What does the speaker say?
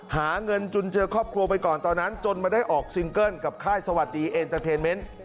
หาเงินจุนเจอครอบครัวไปก่อนตอนนั้นจนมาได้ออกซิงเกิ้ลกับค่ายสวัสดีเอ็นเตอร์เทนเมนต์